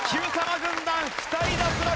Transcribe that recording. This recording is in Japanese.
軍団２人脱落。